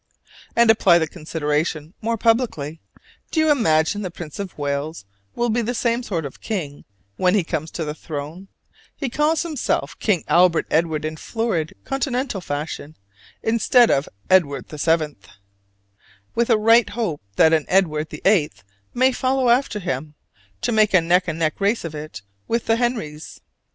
And apply the consideration more publicly: do you imagine the Prince of Wales will be the same sort of king if, when he comes to the throne, he calls himself King Albert Edward in florid Continental fashion, instead of "Edward the Seventh," with a right hope that an Edward the Eighth may follow after him, to make a neck and neck race of it with the Henries?